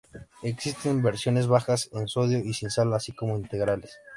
Existen versiones bajas en sodio y sin sal, así como integrales.